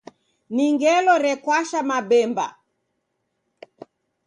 Ni ngelo rekwasha mabemba